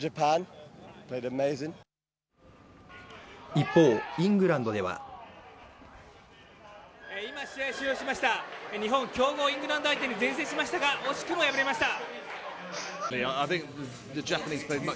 一方、イングランドでは今、試合終了しました日本、強豪・イングランド相手に善戦しましたが、惜しくも敗れました。